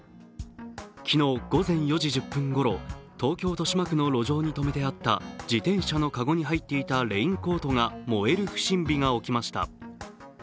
昨日午前４時１０分ころ、東京・豊島区の路上に止めてあった自転車のかごに入っていたレインコートが燃える不審火が起きました。